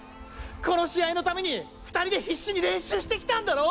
この試合のために２人で必死に練習してきたんだろ！？